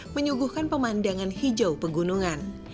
menyuguhkan pemandangan hijau pegunungan